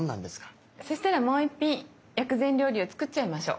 そしたらもう１品薬膳料理を作っちゃいましょう。